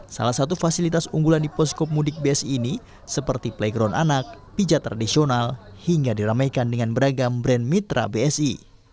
salah satu fasilitas unggulan di poskop mudik best ini seperti playground anak pijat tradisional hingga diramaikan dengan beragam brand mitra bsi